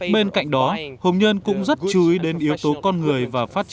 bên cạnh đó hùng nhân cũng rất chú ý đến yếu tố con người và phát triển